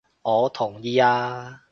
我同意啊！